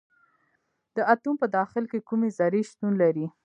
د اتوم په داخل کې کومې ذرې شتون لري.